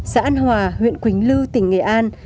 xã an hòa huyện quỳnh lư tỉnh nghệ an